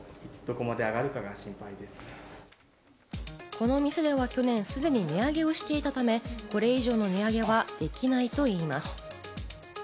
この店では去年すでに値上げをしていたため、これ以上の値上げはできないといいます。